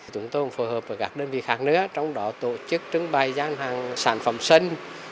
cung cấp thông tin nông sản